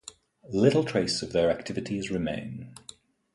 Little trace of their activities remain.